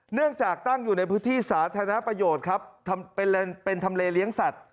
เนื่องจากตั้งอยู่ในพื้นที่สาธารณประโยชน์ครับเป็นทำเลเลี้ยงสัตว